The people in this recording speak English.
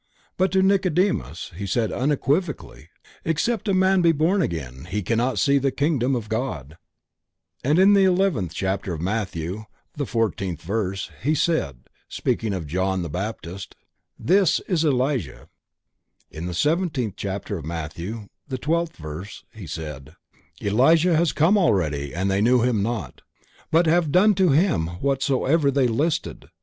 But to Nicodemus He said unequivocally: "Except a man be born again, he cannot see the kingdom of God" and in the eleventh chapter of Matthew, the fourteenth verse, He said, speaking of John the Baptist: "_this __ is Elijah_," in the seventeenth chapter of Matthew, the twelfth verse, He said: "Elijah has come already and they knew him not, but have done to him whatsoever they listed